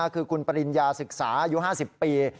คือคุณปริญญาศึกษาอายุ๕๐ปี